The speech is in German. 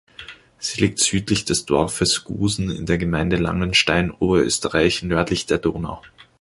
Sie liegt südlich des Dorfes Gusen in der Gemeinde Langenstein, Oberösterreich, nördlich der Donau.